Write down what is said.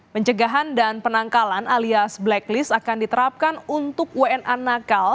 pencegahan dan penangkalan alias blacklist akan diterapkan untuk wna nakal